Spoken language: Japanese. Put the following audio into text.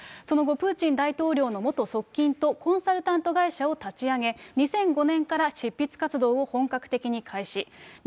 その後、プーチン大統領の元側近とコンサルタント会社を立ち上げ、２００５年から執筆活動を本格的に開始。